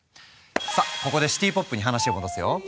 さあここでシティ・ポップに話を戻すよ。